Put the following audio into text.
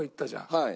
はい。